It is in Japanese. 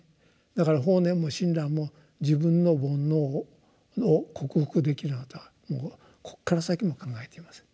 だから法然も親鸞も自分の煩悩を克服できるなんてことはこっから先も考えていません。